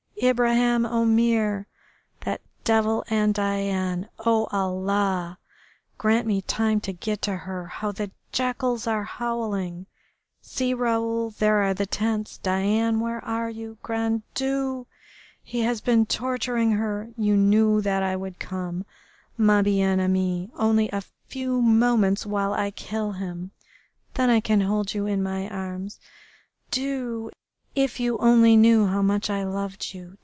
Ibraheim Omair! That devil and Diane! Oh, Allah! Grant me time to get to her.... How the jackals are howling.... See, Raoul, there are the tents.... Diane, where are you?... Grand Dieu! He has been torturing her!... You knew that I would come, ma bien aimee, only a few moments while I kill him, then I can hold you in my arms. Dieu! If you knew how much I loved you....